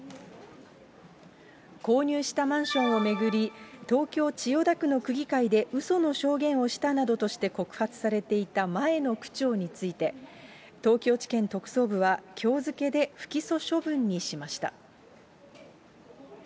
購入したマンションを巡り、東京・千代田区の区議会でうその証言をしたなどとして告発されていた前の区長について、東京地検特捜部は、きょう付けで不起訴処分にしました。